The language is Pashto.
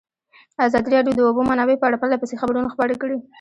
ازادي راډیو د د اوبو منابع په اړه پرله پسې خبرونه خپاره کړي.